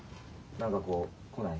何かこう来ない？